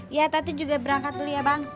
iya tete juga berangkat dulu ya bang